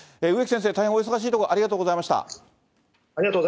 植木先生、大変お忙しいところ、ありがとうございました。